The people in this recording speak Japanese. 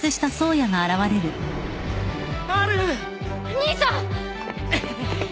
兄さん！